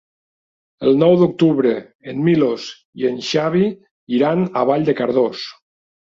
El nou d'octubre en Milos i en Xavi iran a Vall de Cardós.